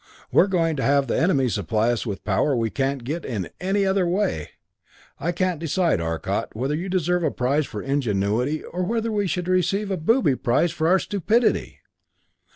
We're going to have the enemy supply us with power we can't get in any other way. I can't decide, Arcot, whether you deserve a prize for ingenuity, or whether we should receive booby prizes for our stupidity."